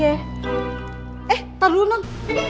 eh tar dulu non